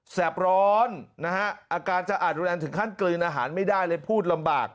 แสบร้อนอาการจะอาดรุนอ่านถึงขั้นกลืนอาหารไม่ได้การพูดลำบาก